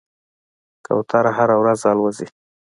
کوتره هره ورځ الوځي.